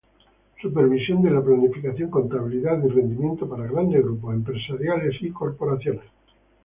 Supervisión de la planificación, contabilidad y rendimiento para grandes grupos empresariales y corporaciones.